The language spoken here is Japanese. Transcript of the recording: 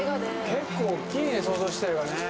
結構大きいね想像してたよりかね